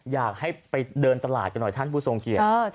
อยากให้ไปเดินตลาดกันหน่อยท่านผู้ทรงเกียจ